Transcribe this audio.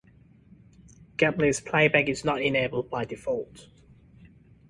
Gapless playback is not enabled by default.